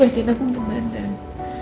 berarti aku pengen mandang